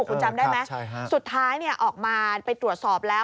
คุณจำได้ไหมสุดท้ายออกมาไปตรวจสอบแล้ว